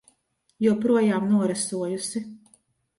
Joprojām norasojusi.